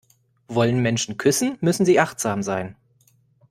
Wollen Menschen küssen, müssen sie achtsam sein.